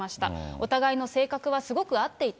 お互いの性格はすごく合っていた。